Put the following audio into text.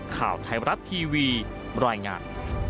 ข่าวไทยมรัฐทีวีรายงาน